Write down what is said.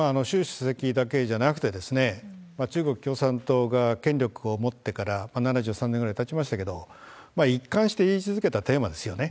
主席だけじゃなくて、中国共産党が権力を持ってから７３年ぐらいたちましたけれども、一貫して言い続けたテーマですよね。